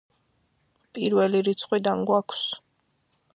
პირველი რიცხვიდან გვაქვს.